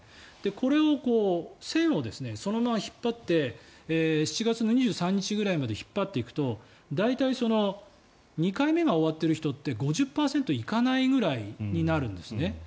これを線をそのまま引っ張って７月の２３日ぐらいまで引っ張っていくと大体２回目が終わっている人って５０％行かないぐらいになるんですね。